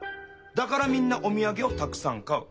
だからみんなおみやげをたくさん買う。